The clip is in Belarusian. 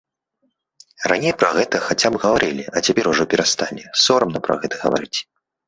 Раней пра гэта хаця б гаварылі, а цяпер ужо перасталі, сорамна пра гэта гаварыць.